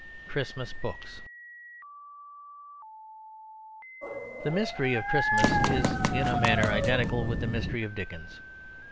CHRISTMAS BOOKS The mystery of Christmas is in a manner identical with the mystery of Dickens.